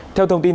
theo thông tin